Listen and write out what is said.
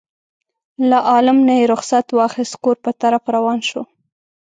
له عالم نه یې رخصت واخیست کور په طرف روان شو.